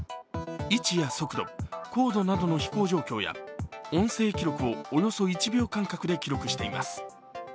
位置や速度、高度などの飛行状況や音声記録をおよそ１秒間隔で記録しています。